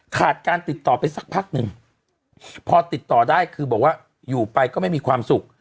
ขาดการติดต่อไปสักพักหนึ่งพอติดต่อได้คือบอกว่าอยู่ไปก็ไม่มีความสุข